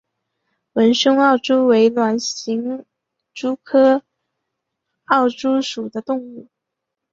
纹胸奥蛛为卵形蛛科奥蛛属的动物。